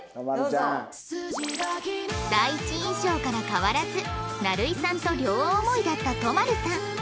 第一印象から変わらず成井さんと両思いだった都丸さん